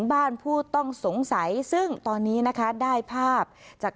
หน้าผู้ใหญ่ในจังหวัดคาดว่าไม่คนใดคนหนึ่งนี่แหละนะคะที่เป็นคู่อริเคยทำรักกายกันมาก่อน